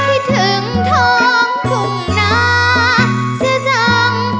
คิดถึงท้องทุ่งนาเสียจัง